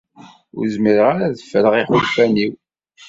Ur zmireɣ ara ad ffreɣ iḥulfan-iw.